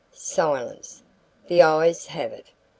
Silence. "The ayes have it."